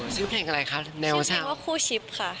ซึ่งเพลงอะไรคะแนวชาวซึ่งเพลงว่าคู่ชิปค่ะ